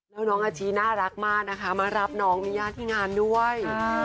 แล้วน้องอาชีน่ารักมากนะคะมารับน้องมีญาติที่งานด้วย